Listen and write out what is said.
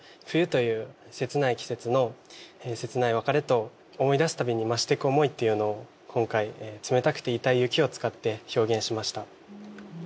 冬という切ない季節の切ない別れと思い出すたびに増してく思いっていうのを今回冷たくて痛い雪を使って表現しました。